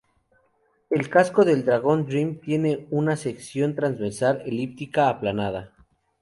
El casco del Dragon Dream tiene una sección transversal elíptica aplanada.